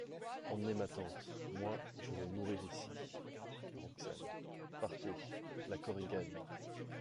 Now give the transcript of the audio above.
Emmenez ma tante : moi, je veux mourir ici ! (A Roxane.) Partez ! LA KORIGANE.